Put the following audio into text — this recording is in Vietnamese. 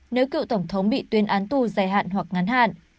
nếu cựu tổng thống bị tuyên án tù dài hạn hoặc ngắn hạn